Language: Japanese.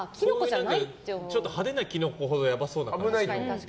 ちょっと派手なキノコほどやばそうな感じがするから。